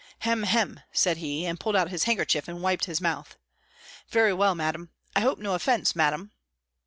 "Hem! hem!" said he; and pulled out his handkerchief, and wiped his mouth "Very well. Madam; I hope no offence, Madam!"